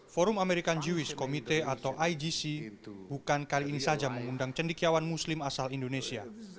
forum american jewish committee atau igc bukan kali ini saja mengundang cendikiawan muslim asal indonesia